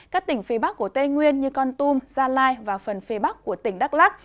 các tỉnh phía bắc của tây nguyên như con tum gia lai và phần phía bắc của tỉnh đắk lắc